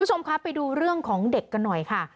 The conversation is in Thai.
คุณผู้ชมครับไปดูเรื่องของเด็กกันหน่อยค่ะ